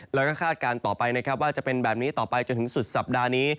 แล้วก็คาดการณ์ต่อไปนะครับว่าจะเป็นแบบนี้ต่อไปจนถึงสุดสัปดาห์นี้